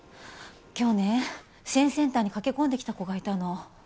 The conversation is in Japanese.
今日ね支援センターに駆け込んできた子がいたの。